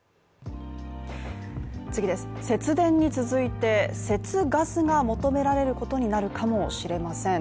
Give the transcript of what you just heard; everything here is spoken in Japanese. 節電に続いて、節ガスが求められることになるかもしれません。